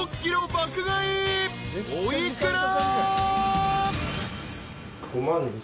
［お幾ら？］